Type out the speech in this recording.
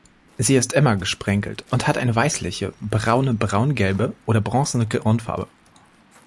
Sie ist immer gesprenkelt und hat eine weißliche, braune, braungelbe oder bronzene Grundfarbe.